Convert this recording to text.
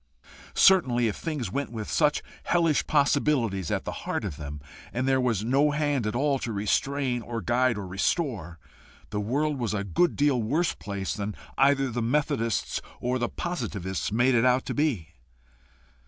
Certainly if things went with such hellish possibilities at the heart of them, and there was no hand at all to restrain or guide or restore, the world was a good deal worse place than either the Methodists or the Positivists made it out to be.